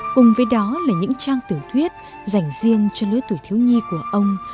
cùng với đó là những trang tiểu thuyết dành riêng cho lứa tuổi thiếu nhi của ông